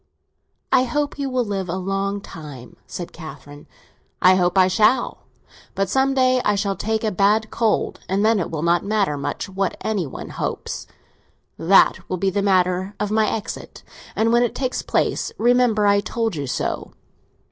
"I hope you will live a long time," said Catherine. "I hope I shall! But some day I shall take a bad cold, and then it will not matter much what any one hopes. That will be the manner of my exit, and when it takes place, remember I told you so.